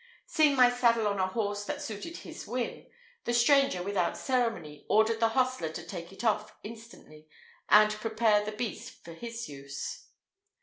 Seeing my saddle on a horse that suited his whim, the stranger, without ceremony, ordered the hostler to take it off instantly, and prepare the beast for his use.